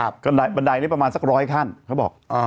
บันไดนี้ประมาณ๑๐๐ขั้นเขาบอก